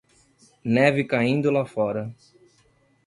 Neve caindo lá fora